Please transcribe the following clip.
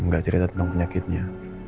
enggak cerita tentang penyakitnya